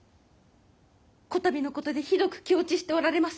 こたびのことでひどく気落ちしておられます。